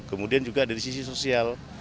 kemudian juga dari sisi sosial